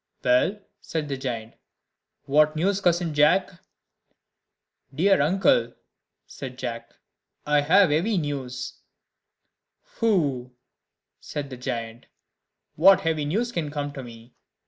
"Well," said the giant, "what news, cousin Jack?" "Dear uncle," said Jack, "I have heavy news." "Pooh!" said the giant, "what heavy news can come to me?